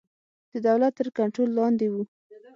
د دولت تر کنټرول لاندې وو.